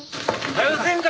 はよせんか！